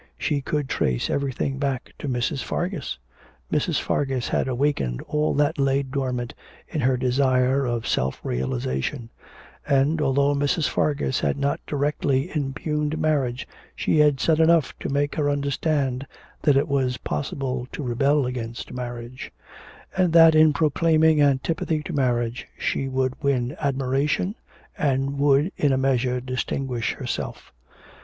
She could trace everything back to Mrs. Fargus. Mrs. Fargus had awakened all that lay dormant in her desire of self realisation, and, although Mrs. Fargus had not directly impugned marriage, she had said enough to make her understand that it were possible to rebel against marriage; and that in proclaiming antipathy to marriage she would win admiration, and would in a measure distinguish herself.